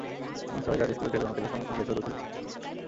মাস ছয়েক আগে স্কুলের ড্রেস বানাতে রিসা মায়ের সঙ্গে গিয়েছিল দরজির কাছে।